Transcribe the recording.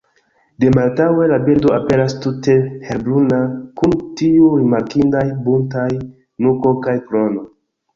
De malantaŭe la birdo aperas tute helbruna kun tiu rimarkindaj buntaj nuko kaj krono.